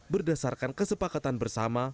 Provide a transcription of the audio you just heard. berdasarkan kesepakatan bersama